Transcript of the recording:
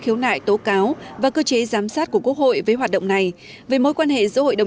khiếu nại tố cáo và cơ chế giám sát của quốc hội với hoạt động này về mối quan hệ giữa hội đồng